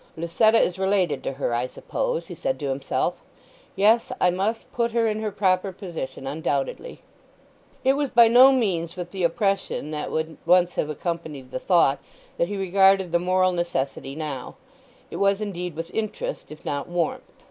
"Lucetta is related to her, I suppose," he said to himself. "Yes, I must put her in her proper position, undoubtedly." It was by no means with the oppression that would once have accompanied the thought that he regarded the moral necessity now; it was, indeed, with interest, if not warmth.